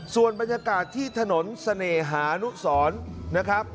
ส่วนบรรยากาศที่ถนนเสน่หานุสรนะครับ